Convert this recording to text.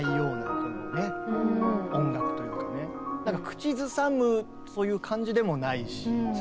口ずさむという感じでもないし。